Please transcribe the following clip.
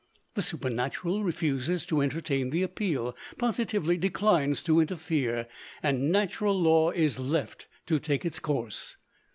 The Supernatural refuses to entertain the appeal positively declines to interfere and natural law is left to take its course.